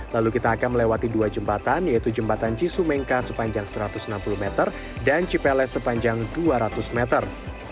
lalu kita akan melewati dua jembatan yaitu jembatan cisumengka sepanjang satu ratus enam puluh meter dan cipele sepanjang dua ratus meter